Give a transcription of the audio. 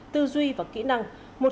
tư duy và kỹ năng